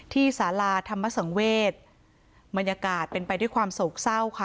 สาราธรรมสังเวศบรรยากาศเป็นไปด้วยความโศกเศร้าค่ะ